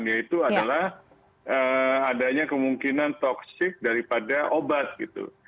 yaitu adalah adanya kemungkinan toksik daripada obat